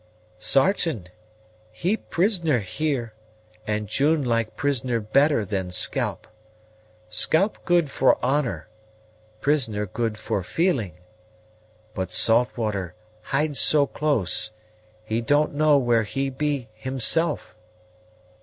"Sartain he prisoner here, and June like prisoner better than scalp; scalp good for honor, prisoner good for feeling. But Saltwater hide so close, he don't know where he be himself."